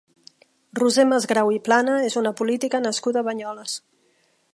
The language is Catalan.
Roser Masgrau i Plana és una política nascuda a Banyoles.